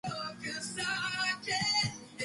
If the ice melted it would be covered by sea.